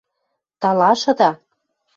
Талашыда —